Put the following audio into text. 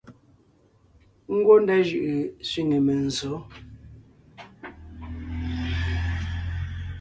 Ngwɔ́ ndá jʉʼʉ sẅiŋe menzsǒ.